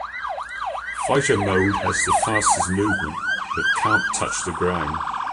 Fighter mode has the fastest movement, but can't touch the ground.